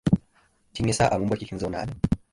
Kin yi sa'a mun barki kin zauna anan.